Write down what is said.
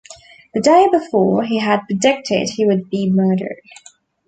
The day before, he had predicted he would be murdered.